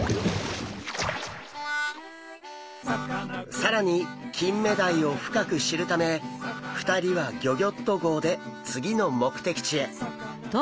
更にキンメダイを深く知るため２人はギョギョッと号で次の目的地へ。